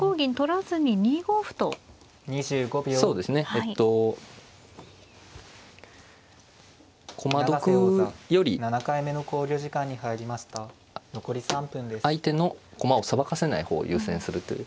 えっと駒得より相手の駒をさばかせない方を優先するという。